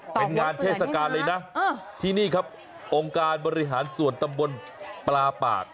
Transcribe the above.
เป็นงานเทศกาลเลยนะที่นี่ครับองค์การบริหารส่วนตำบลปลาปาก